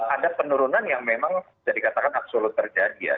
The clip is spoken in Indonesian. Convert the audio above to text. ada penurunan yang memang bisa dikatakan absolut terjadi ya